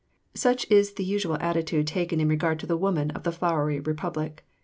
Such is the usual attitude taken in regard to the woman of the flowery Republic.